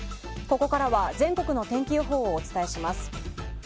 ここからは全国の天気予報をお伝えします。